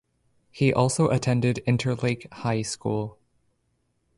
He also attended Interlake High School.